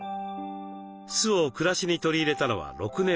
酢を暮らしに取り入れたのは６年前。